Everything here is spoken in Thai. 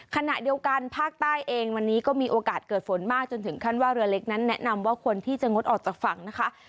ขณะเดียวกันภาคใต้เองวันนี้ก็มีโอกาสเกิดฝนมากจนถึงขั้นว่าเรือเล็กนั้นแนะนำว่าควรที่จะงดออกจากฝั่งนะคะ